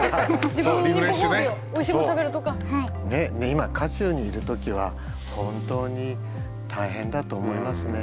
今渦中にいる時は本当に大変だと思いますね。